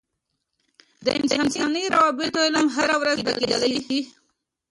د انساني روابطو علم هره ورځ زده کیدلای سي.